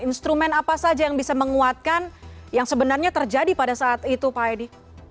instrumen apa saja yang bisa menguatkan yang sebenarnya terjadi pada saat itu pak edi